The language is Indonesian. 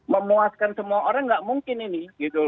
memuaskan semua orang nggak mungkin ini